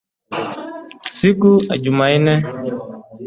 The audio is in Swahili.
siku ya Jumanne